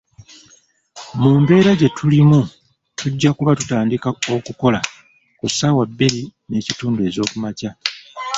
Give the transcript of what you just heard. Mu mbeera gye tulimu tujja kuba tutandika okukola ku saawa bbiri n'ekitundu ez'okumakya.